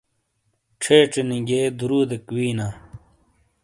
چھیچینی گئیے دُرودیک وِئینا۔